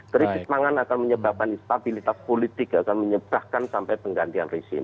krisis pangan akan menyebabkan instabilitas politik akan menyebabkan sampai penggantian resim